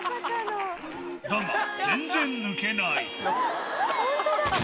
だが、全然抜けない。